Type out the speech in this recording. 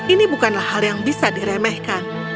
ini bukanlah hal yang bisa diremehkan